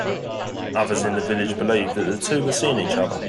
Others in the village believed that the two were seeing each other.